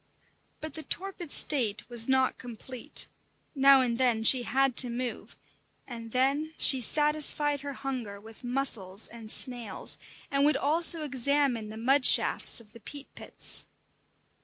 But the torpid state was not complete; now and then she had to move, and then she satisfied her hunger with mussels and snails, and would also examine the mud shafts of the peat pits.